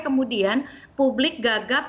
kemudian publik gagap